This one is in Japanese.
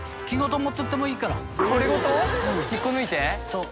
そう。